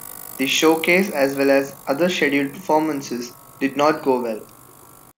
The showcase, as well as other scheduled performances, did not go well.